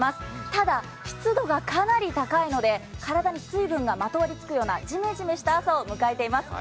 ただ湿度がかなり高いので体に水分がまとわりつくようなジメジメした朝を迎えています。